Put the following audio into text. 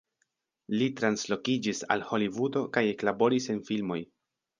Li translokiĝis al Holivudo kaj eklaboris en filmoj.